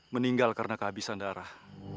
meninggal karena kehabisan darah